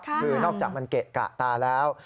คือนอกจากมันเกะกะตาแล้ว